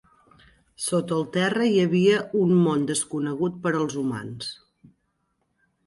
Sota el terra hi havia un món desconegut per als humans.